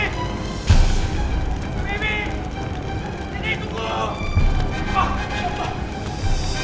dia udah nyuri kalung aku bayi